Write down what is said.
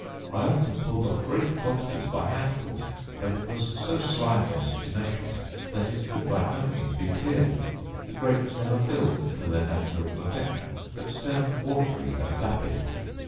I often pulled off great quantities by handfuls; but it was so slimy and tenacious that it could by no means be cleared. The grapes never filled to their natural perfection, but turned watery and vapid.